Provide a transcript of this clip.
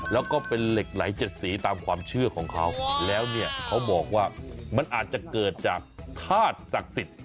แล้วก็เป็นเหล็กไหลเจ็ดสีตามความเชื่อของเขาแล้วเนี่ยเขาบอกว่ามันอาจจะเกิดจากธาตุศักดิ์สิทธิ์